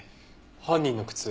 犯人の靴。